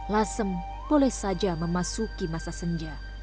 lasem boleh saja memasuki masa senja